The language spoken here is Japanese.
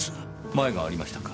マエがありましたか？